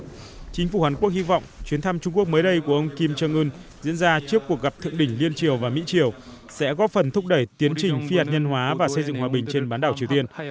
chính phủ hàn quốc hy vọng chuyến thăm trung quốc mới đây của ông kim jong un diễn ra trước cuộc gặp thượng đỉnh liên triều và mỹ triều sẽ góp phần thúc đẩy tiến trình phi hạt nhân hóa và xây dựng hòa bình trên bán đảo triều tiên